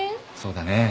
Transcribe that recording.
そうだね。